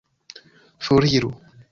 Foriru!